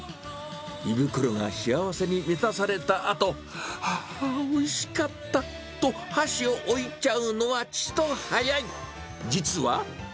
胃袋が幸せに満たされたあと、はー、おいしかったと箸を置いちゃうのはちと早い。